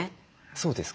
そうですか？